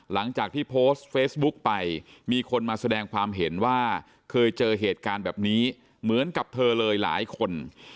หลังจากที่โพสต์เฟซบุ๊กไปมีคนมาแสดงความเห็นว่าเคยเจอเหตุการณ์แบบนี้เหมือนกับเธอเลยหลายคน